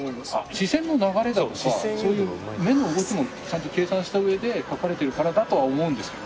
視線の流れだとかそういう目の動きもちゃんと計算した上で描かれてるからだとは思うんですけど。